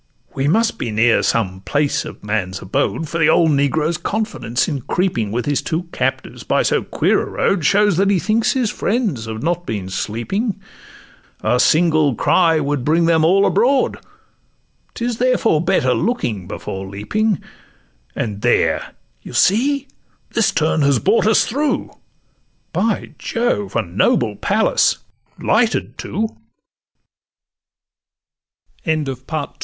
'We must be near some place of man's abode;— For the old negro's confidence in creeping, With his two captives, by so queer a road, Shows that he thinks his friends have not been sleeping; A single cry would bring them all abroad: 'Tis therefore better looking before leaping— And there, you see, this turn has brought us through, By Jove, a noble palace!